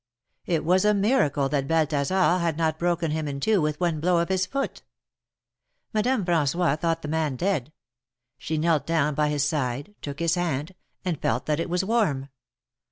It was a miraale that Balthasar had not broken him in two with one blow of his foot. Mad ame Fran9ois thought the man dead. She knelt down by his side, took his hand, and felt that it was warm.